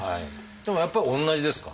でもやっぱり同じですか？